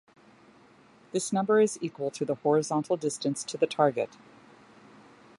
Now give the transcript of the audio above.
This number is equal to the horizontal distance to the target.